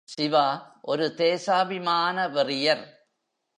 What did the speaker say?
சிவா ஒரு தேசாபிமான வெறியர்.